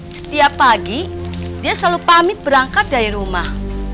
setiap pagi dia selalu pamit berangkat dari rumah